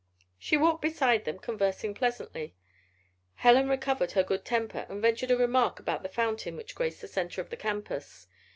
She walked beside them, conversing pleasantly. Helen recovered her good temper and ventured a remark about the fountain which graced the center of the campus.